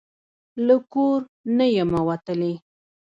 له کور نه یمه وتلې